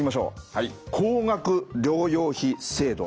はい高額療養費制度。